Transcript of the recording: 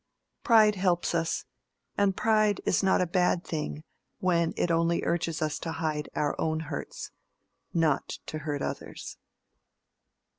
Pride helps us; and pride is not a bad thing when it only urges us to hide our own hurts—not to hurt others.